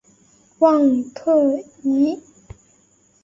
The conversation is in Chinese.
旺特伊。